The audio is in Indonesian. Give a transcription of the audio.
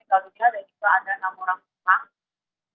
lalu juga ada enam orang rumah